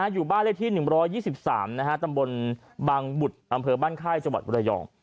อยู่บ้านเลขที่๑๒๓ตำบลบางบุตรอำเภอบ้านค่ายจังหวัดบรยอง